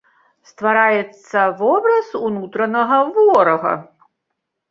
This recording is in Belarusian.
Ствараецца вобраз унутранага ворага.